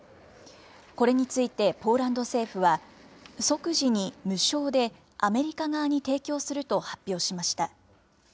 これについてポーランド政府は、即時に無償でアメリカ側に提供すると発表しました。